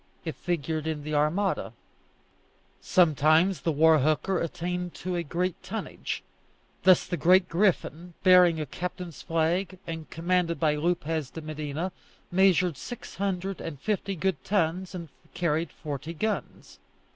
It figured in the Armada. Sometimes the war hooker attained to a high tonnage; thus the Great Griffin, bearing a captain's flag, and commanded by Lopez de Medina, measured six hundred and fifty good tons, and carried forty guns.